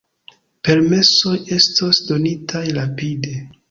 Permesoj estos donitaj rapide.